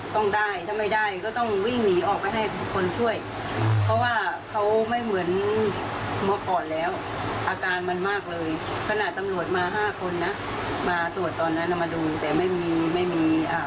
แต่ไม่มีของการแล้วเขาบอกว่าทำอะไรไม่ได้